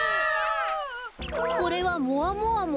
これはもわもわも。